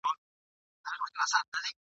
وايی وژلي مي افغانان دي !.